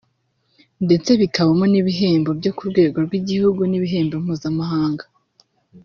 ndetse bikabamo n’ibihembo byo ku rwego rw’igihugu n’ibihembo mpuzamahanga